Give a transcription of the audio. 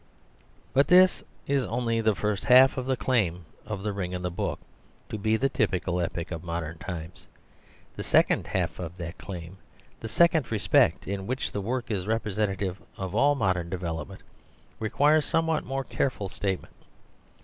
But this is only the first half of the claim of The Ring and the Book to be the typical epic of modern times. The second half of that claim, the second respect in which the work is representative of all modern development, requires somewhat more careful statement.